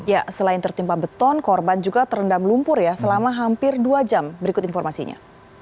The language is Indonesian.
ya selain tertimpa beton korban juga terendam lumpur ya selama hampir dua jam berikut informasinya